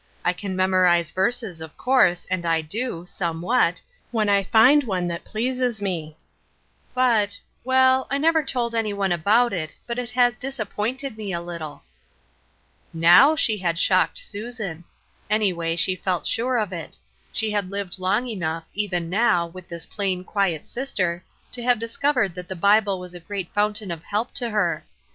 I can memorize verses, of course, and I do, Looking for an JEasy Yoke, 203 somewhat, wlien I find one that pleases me ; but — well, I never told anyone about it, but it has disappointed me a little." Now she had shocked Susan ; anyway, she felt sure of it. She had lived long enough,, even now, with this plain, quiet sister, to have dis covered that the Bible was a great fountain of help to her.